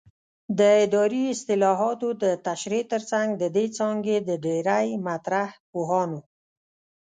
د اداري اصطلاحاتو د تشریح ترڅنګ د دې څانګې د ډېری مطرح پوهانو